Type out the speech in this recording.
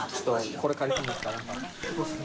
これ借りていいですか？